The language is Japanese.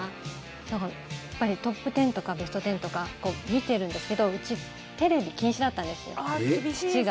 だから、「トップテン」とか「ベストテン」とか見てるんですけどうち、テレビ禁止だったんですよ父が。